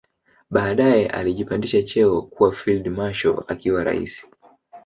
Baadae alijipandisha cheo kua field marshal akiwa raisi